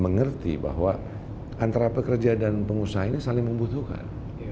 mengerti bahwa antara pekerja dan pengusaha ini saling membutuhkan